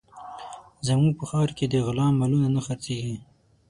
زموږ په ښار کې د غلا مالونه نه خرڅېږي